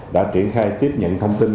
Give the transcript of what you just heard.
đã triển khai tiếp nhận thông tin